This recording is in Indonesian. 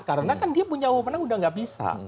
karena dia punya wawenang sudah tidak bisa